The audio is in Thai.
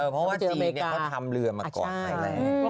เพราะว่าจีนเนี่ยเขาทำเรือมาก่อนใดแหละ